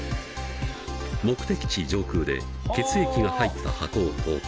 目的地上空で血液が入った箱を投下。